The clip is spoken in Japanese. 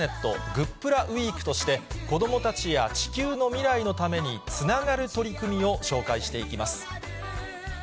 グップラウィークとして、子どもたちや地球の未来のために、つながる取り組みを紹介していきます。